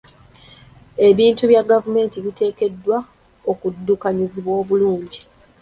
Ebintu bya gavumenti biteekeddwa okuddukanyizibwa obulungi.